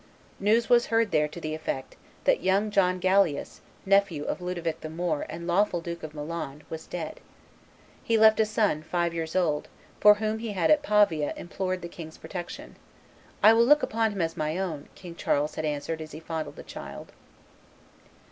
News was heard there to the effect that young John Galeas, nephew of Ludovic the Moor and lawful Duke of Milan, was dead. He left a son, five years old, for whom he had at Pavia implored the king's protection; and "I will look upon him as my own," King Charles had answered as he fondled the child.